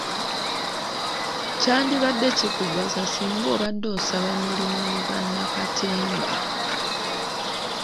Kyandibadde kikugasa singa obadde osaba mulimu mu bannakatemba!